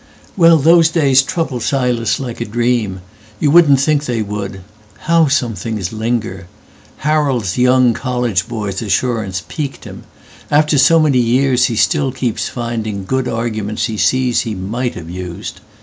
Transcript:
"Well, those days trouble Silas like a dream. You wouldn't think they would. How some things linger! Harold's young college boy's assurance piqued him. After so many years he still keeps findingGood arguments he sees he might have used.